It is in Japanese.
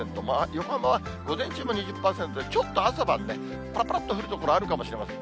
横浜は午前中も２０％で、ちょっと朝晩ね、ぱらぱらっと降る所、あるかもしれません。